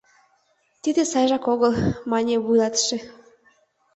— Тиде сайжак огыл, — мане вуйлатыше.